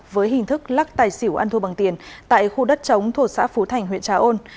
với hình thức lắc tài xỉu ăn thua bằng tiền tại khu đất chống thuộc xã phú thành huyện trà ôn